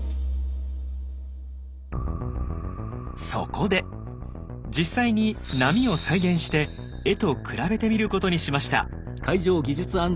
そこで実際に波を再現して絵と比べてみることにしました。